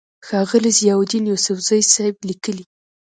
ښاغلے ضياءالدين يوسفزۍ صېب ليکي: